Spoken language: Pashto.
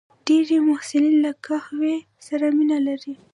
ډېری محصلین له قهوې سره مینه لري.